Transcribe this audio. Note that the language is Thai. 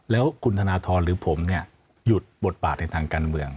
แล้วคุณธนทรหรือผมเนี่ยหยุดบทบาทในทางการเมือง